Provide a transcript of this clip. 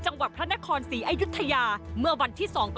ต่นห้ามสามีแล้วเพราะไม่อยากมีเรื่องแต่สุดท้ายสามีไม่เชื่อจึงเกิดเหตุจนได้